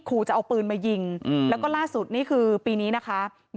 ขู่จะเอาปืนมายิงแล้วก็ล่าสุดนี่คือปีนี้นะคะ